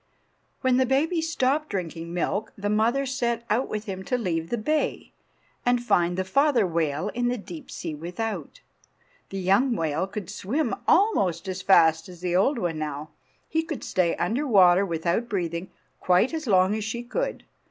When the baby stopped drinking milk the mother set out with him to leave the bay, and find the father whale in the deep sea without. The young whale could swim almost as fast as the old one now. He could stay under water without breathing quite as long as she could.